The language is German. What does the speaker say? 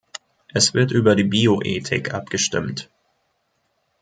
Es wird über die Bioethik abgestimmt.